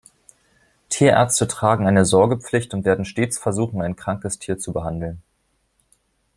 Tierärzte tragen eine Sorgepflicht und werden stets versuchen, ein krankes Tier zu behandelt.